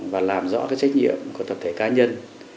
và làm rõ cái trách nhiệm của tập thể cá nhân